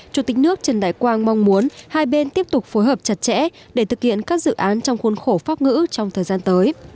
chủ tịch nước trần đại quang mong muốn hai bên tiếp tục phối hợp chặt chẽ để thực hiện các dự án trong khuôn khổ pháp ngữ trong thời gian tới